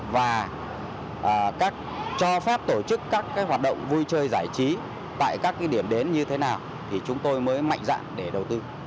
và các cho pháp tổ chức các cái hoạt động vui chơi giải trí tại các cái điểm đến như thế nào thì chúng tôi mới mạnh dạng để đầu tư